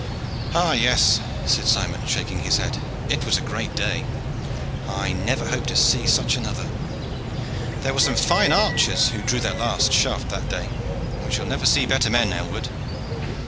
"Ah, yes," said Simon, shaking his head, "it was a great day. I never hope to see such another. There were some fine archers who drew their last shaft that day. We shall never see better men, Aylward."